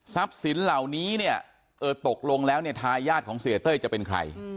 สินเหล่านี้เนี่ยเออตกลงแล้วเนี่ยทายาทของเสียเต้ยจะเป็นใคร